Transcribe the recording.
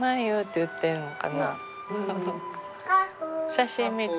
写真見て。